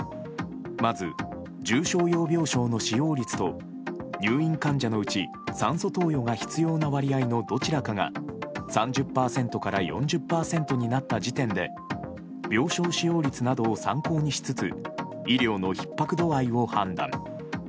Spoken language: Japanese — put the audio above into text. まず、重症用病床の使用率と入院患者のうち酸素投与が必要な割合のどちらかが３０％から４０％になった時点で病床使用率などを参考にしつつ医療のひっ迫度合いを判断。